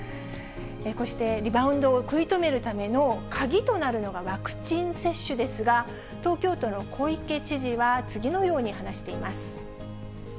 こうしてリバウンドを食い止めるための鍵となるのがワクチン接種ですが、東京都の小池知事は、次のように話しています。